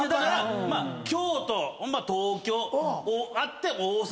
まあ京都東京あって大阪。